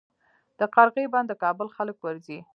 د قرغې بند د کابل خلک ورځي